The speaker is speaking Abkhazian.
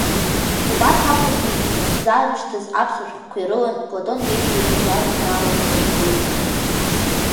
Убарҭ Аҟәантәи исзаарышьҭыз аԥсуа шәҟәқәа ирылан Платон Бебиа иажәеинраалақәа реизга.